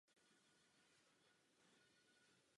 Na druhou otázku mohu odpovědět naprosto jednoduše.